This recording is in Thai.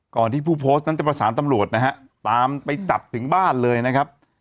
ที่ผู้โพสต์นั้นจะประสานตำรวจนะฮะตามไปจับถึงบ้านเลยนะครับ